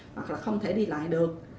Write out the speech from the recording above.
hoặc là không thể đi lại được